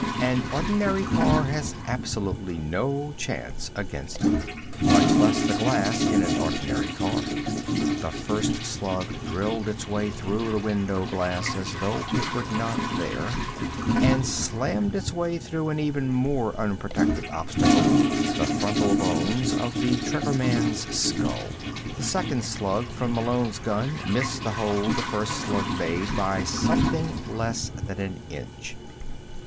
An ordinary car has absolutely no chance against it. Much less the glass in an ordinary car. The first slug drilled its way through the window glass as though it were not there, and slammed its way through an even more unprotected obstacle, the frontal bones of the triggerman's skull. The second slug from Malone's gun missed the hole the first slug had made by something less than an inch.